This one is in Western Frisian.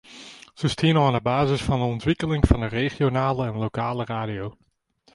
Se stienen oan de basis fan de ûntwikkeling fan de regionale en lokale radio.